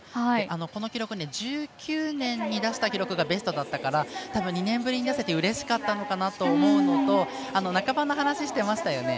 この記録１９年に出した記録がベストだったから多分、２年ぶりに出せてうれしかったのかなと思うのと仲間の話していましたよね。